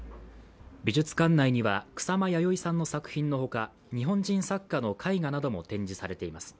美術館内には草間彌生さんの作品の他日本人作家の絵画なども展示されています。